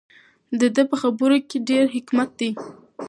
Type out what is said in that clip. د ده په خبرو کې ډېر حکمت دی.